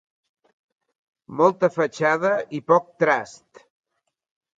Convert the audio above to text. Molta fatxada i poc trast.